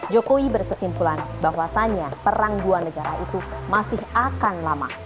jokowi berkesimpulan bahwasannya perang dua negara itu masih akan lama